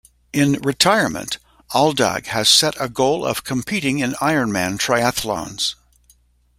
In "retirement", Aldag has set a goal of competing in Ironman triathlons.